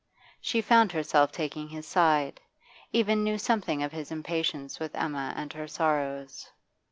She found herself taking his side, even knew something of his impatience with Emma and her sorrows.